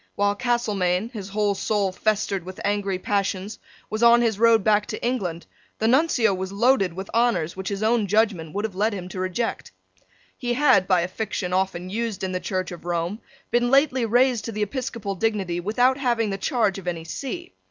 While Castelmaine, his whole soul festered with angry passions, was on his road back to England, the Nuncio was loaded with honours which his own judgment would have led him to reject. He had, by a fiction often used in the Church of Rome, been lately raised to the episcopal dignity without having the charge of any see.